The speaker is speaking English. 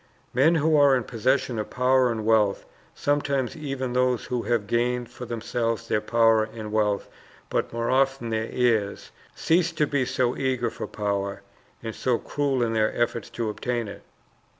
Men who are in possession of power and wealth, sometimes even those who have gained for themselves their power and wealth, but more often their heirs, cease to be so eager for power, and so cruel in their efforts to obtain it.